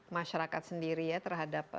masyarakat sendiri ya terhadap